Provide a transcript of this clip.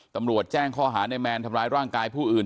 ตำรวจแจ้งข้อหาในแมนทำร้ายร่างกายผู้อื่น